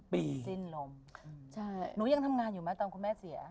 สิ้นลมใช่หนูยังทำงานอยู่ไหมตอนคุณแม่เสีย